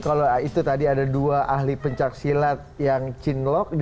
kalau itu tadi ada dua ahli puncak silat yang cinglok